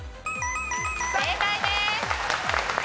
正解です。